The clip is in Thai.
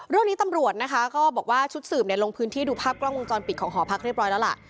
เรื่องนี้ตำรวจนะคะก็บอกว่าชุดสืบลงพื้นที่ดูภาพกล้องวงจรปิดของหอพักเรียบร้อยแล้วล่ะ